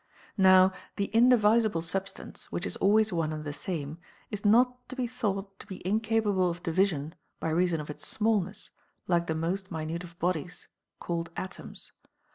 Now the indivisible substance, which is always one and the same, is not to be thought to be incapable of division by reason of its smallness, like the most minute of bodies, called atoms.